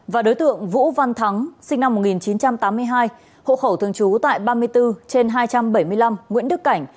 và đối tượng vũ văn thắng sinh năm một nghìn chín trăm tám mươi hai hộ khẩu thường trú tại ba mươi bốn trên hai trăm bảy mươi năm nguyễn đức cảnh